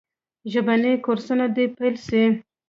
ژبني کورسونه دي پیل سي.